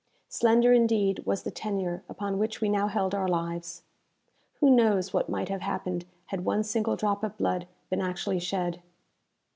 Slender indeed was the tenure upon which we now held our lives! Who knows what might have happened had one single drop of blood been actually shed?